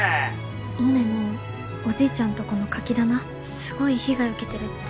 モネのおじいちゃんとこのカキ棚すごい被害受けてるって。